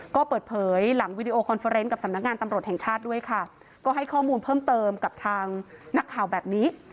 ก็เปิดเผยหลังวิดีโอคอนเฟอร์เนนต์กับสำนักงานตำรวจแห่งชาติด้วยค่ะก็ให้ข้อมูลเพิ่มเติมกับทางนักข่าวแบบนี้